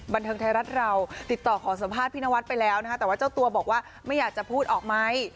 บันเทิงไทยรัฐเราติดต่อขอสัมภาษณ์พี่นวัดไปแล้วนะคะแต่ว่าเจ้าตัวบอกว่าไม่อยากจะพูดออกไหม